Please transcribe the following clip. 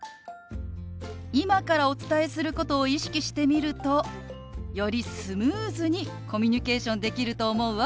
今からお伝えすることを意識してみるとよりスムーズにコミュニケーションできると思うわ。